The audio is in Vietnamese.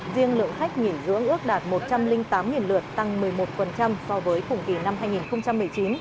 riêng lượng khách nghỉ dưỡng ước đạt một trăm linh tám lượt tăng một mươi một so với cùng kỳ năm hai nghìn một mươi chín